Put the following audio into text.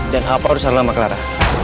dan apa urusan lama clara